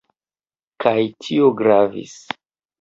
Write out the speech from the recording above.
Kaj tio gravis.